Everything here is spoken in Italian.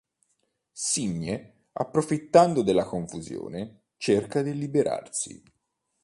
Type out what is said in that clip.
Signe, approfittando della confusione, cerca di liberarsi.